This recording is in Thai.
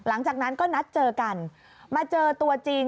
หลังจากนั้นก็นัดเจอกันมาเจอตัวจริง